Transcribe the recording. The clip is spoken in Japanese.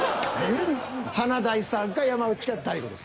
華大さんか山内か大悟です。